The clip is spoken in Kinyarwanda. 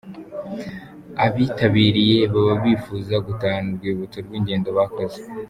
Abitabirye baba bifuza gutahana urwibutso rw’ingendo bakoze.